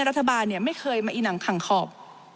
รัฐบาลไม่เคยมาอีหนังขังขอบ